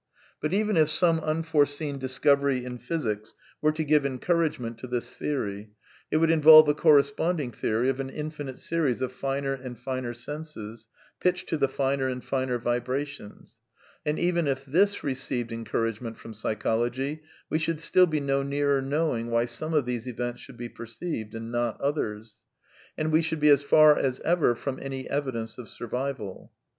But even if some unforeseen dis covery in physics were to give encouragement to this theory, it would involve a corresponding theory of an in finite series of finer and finer senses, pitched to the finer and finer vibrations ; and even if this received encourage ment from psychology, we should still be no nearer know ing why some of these events should be perceived and not others. And we should be as far as ever from any evidence of survival.